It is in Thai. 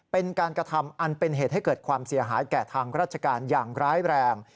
เป็นการกระทำอันเป็นเหตุให้เกิดความเสียหายแก่ทางราชการอย่างร้ายแรง